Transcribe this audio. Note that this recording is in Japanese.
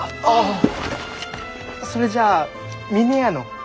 それじゃあ峰屋の？